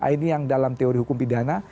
ini yang dalam teori hukum pidana